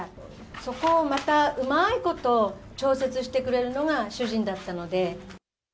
そこをまたうまーいこと調節してくれるのが主人だったので。